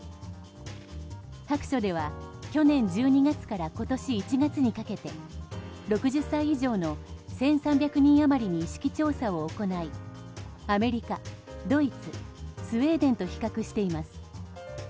白書では去年１２月から今年１月にかけて６０歳以上の１３００人余りに意識調査を行いアメリカ、ドイツスウェーデンと比較しています。